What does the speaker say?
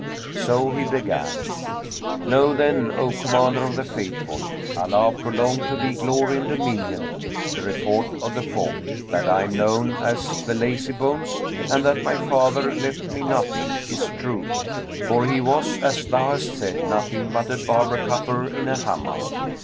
So he began "Know then, O Commander of the Faithful (Allah prolong to thee glory and dominion!), the report of the folk; that I am known as the Lazybones and that my father left me nothing, is true; for he was, as thou hast said, nothing but a barber cupper in a Hammam.